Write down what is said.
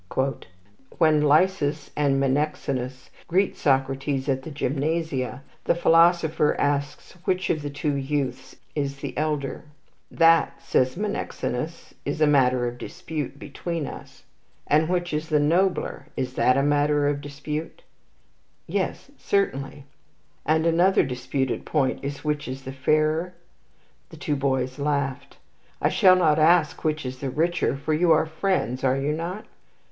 When Lysis and Menexenus greet Socrates at the gymnasia, the philosopher asks which of the two youths is the elder. "'That,' said Menexenus, 'is a matter of dispute between us.' "'And which is the nobler? Is that also a matter of dispute?' "'Yes, certainly.' "'And another disputed point is which is the fairer?' "The two boys laughed. "'I shall not ask which is the richer, for you are friends, are you not?'